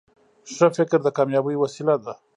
ښه فکر د کامیابۍ وسیله ده.